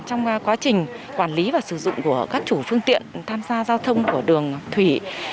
trong quá trình quản lý và sử dụng của các chủ phương tiện tham gia giao thông của đường thủy